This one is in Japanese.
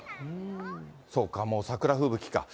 そうか、もう桜吹雪か。